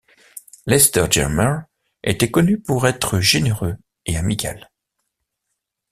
Lester Germer était connu pour être généreux et amical.